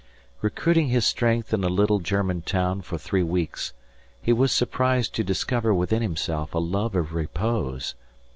Recruiting his strength in a little German town for three weeks, he was surprised to discover within himself a love of repose.